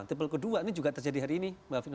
tipe kedua ini juga terjadi hari ini